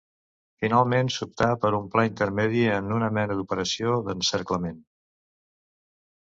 Finalment s'optà per un pla intermedi, en una mena d'operació d'encerclament.